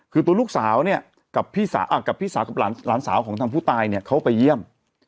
คือตัวลูกสาวเนี่ยกับพี่สาวกับหลานสาวของทางผู้ตายเนี่ยเขาไปเยี่ยม